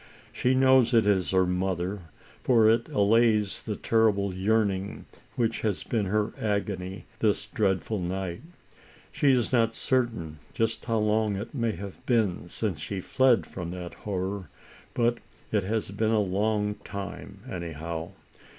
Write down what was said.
She knows it is her mother, for it allays the terrible yearning which has been her agony this dread 'i ALICE ; OR, THE WAGES OF SIN. 113 ful night. She is not certain just how long it may have been since she fled from that hor ror, but it has been a long time, anyhow.